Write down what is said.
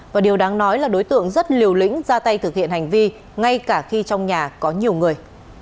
và điều đáng nói là đối tượng rất liều lĩnh ra tay thực hiện hành vi ngay cả khi trong nhà có nhiều người